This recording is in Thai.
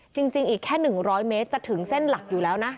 จริงอีกแค่๑๐๐เมตรจะถึงเส้นหลักอยู่แล้วนะ